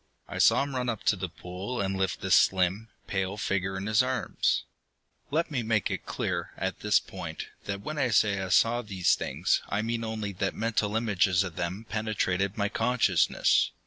I saw him run up to the pool and lift the slim, pale figure in his arms. Let me make it clear, at this point, that when I say that I saw these things, I mean only that mental images of them penetrated my consciousness.